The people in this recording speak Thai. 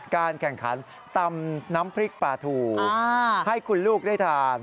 การแข่งขันตำน้ำพริกปลาทูให้คุณลูกได้ทาน